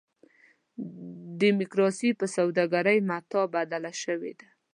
ډیموکراسي په سوداګرۍ متاع بدله شوې ده.